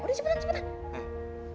udah cepetan cepetan